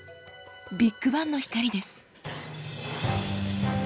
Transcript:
ビッグバンの光です。